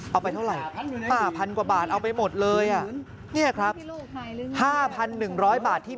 เอาไปเท่าไหร่๕๐๐กว่าบาทเอาไปหมดเลยอ่ะเนี่ยครับ๕๑๐๐บาทที่